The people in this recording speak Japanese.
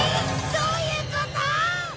どういうこと？